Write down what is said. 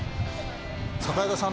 榮田さん